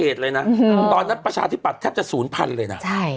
หลายเกดเลยนะตอนนั้นประชาธิปัตษณ์แทบจะ๐พันเลยนะ